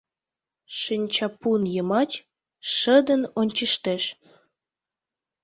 Шинчапун йымач шыдын ончыштеш.